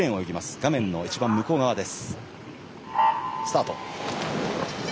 画面のいちばん向こう側です。